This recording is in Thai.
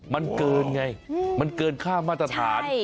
มันเกินไงมันเกินค่ามาตรฐาน